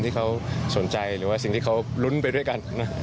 ที่เขาสนใจหรือว่าสิ่งที่เขาลุ้นไปด้วยกัน